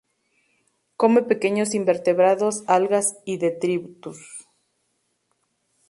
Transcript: Come pequeños invertebrados, algas y detritus.